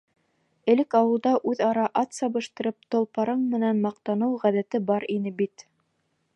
Элек ауылда үҙ-ара ат сабыштырып толпарың менән маҡтаныу ғәҙәте бар ине бит.